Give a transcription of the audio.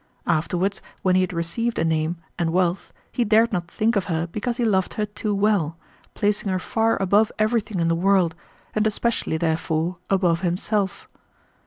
Afterwards when he had received a name and wealth he dared not think of her because he loved her too well, placing her far above everything in the world, and especially therefore above himself.